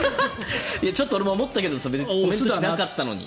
ちょっと俺も思ったけどコメントしなかったのに。